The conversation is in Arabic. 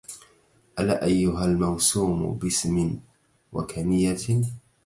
ألا أيها الموسوم باسم وكنية